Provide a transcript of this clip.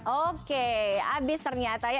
oke abis ternyata ya